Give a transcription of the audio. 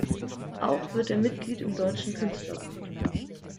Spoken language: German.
Auch wird er Mitglied im Deutschen Künstlerbund.